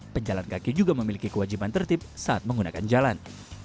pejalan kaki juga memiliki kewajiban tertib saat menggunakan jalan